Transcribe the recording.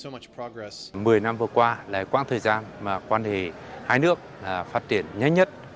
mười năm vừa qua là quãng thời gian mà quan hệ hai nước phát triển nhanh nhất